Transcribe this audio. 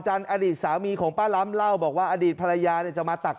อดีตสามีของป้าล้ำเล่าบอกว่าอดีตภรรยาเนี่ยจะมาตัก